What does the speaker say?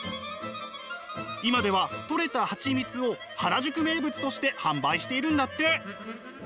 今ではとれた蜂蜜を原宿名物として販売しているんだって。